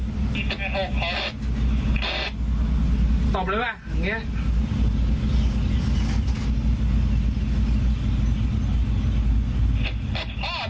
ทางศูนย์สองหลับศูนย์สอง